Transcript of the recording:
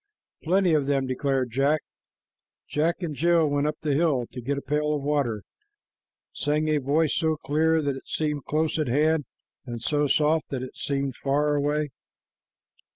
"Plenty of them," declared Jack. "Jack and Jill Went up the hill To get a pail of water," sang a voice so clear that it seemed close at hand, and so soft that it seemed far away.